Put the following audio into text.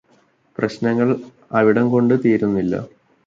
പ്രശ്നങ്ങള് അവിടം കൊണ്ടു തീരുന്നില്ല.